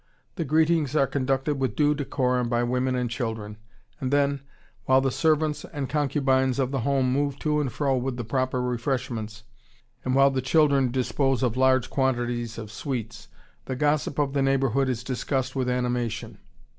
The greetings are conducted with due decorum by women and children, and then, while the servants and concubines of the home move to and fro with the proper refreshments, and while the children dispose of large quantities of sweets, the gossip of the neighborhood is discussed with animation.